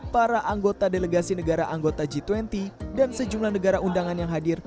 para anggota delegasi negara anggota g dua puluh dan sejumlah negara undangan yang hadir